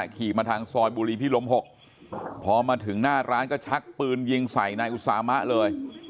ขี่มาทางซอยบุรีพิรม๖พอมาถึงหน้าร้านก็ชักปืนยิงใส่นายอุสามะเลย